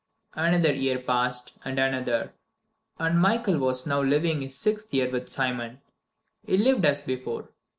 VIII Another year passed, and another, and Michael was now living his sixth year with Simon. He lived as before.